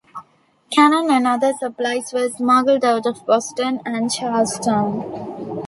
Cannon and other supplies were smuggled out of Boston and Charlestown.